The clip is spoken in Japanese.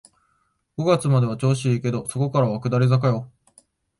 五月までは調子いいけど、そこからは下り坂よ